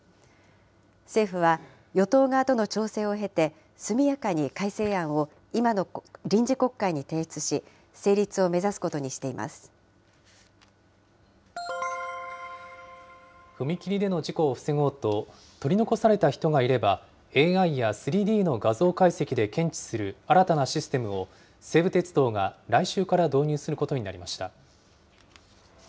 政府は、与党側との調整を経て、速やかに改正案を今の臨時国会に提出し、成立を目指すことにして踏切での事故を防ごうと、取り残された人がいれば、ＡＩや３Ｄの画像解析で検知する新たなシステムを、西武鉄道が来週から導入することになりました。